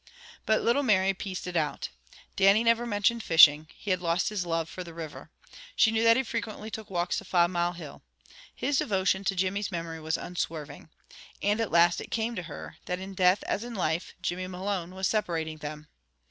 By little Mary pieced it out. Dannie never mentioned fishing; he had lost his love for the river. She knew that he frequently took walks to Five Mile Hill. His devotion to Jimmy's memory was unswerving. And at last it came to her, that in death as in life, Jimmy Malone was separating them.